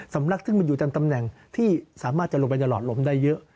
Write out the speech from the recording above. ลักซึ่งมันอยู่ตามตำแหน่งที่สามารถจะลงไปในหลอดลมได้เยอะ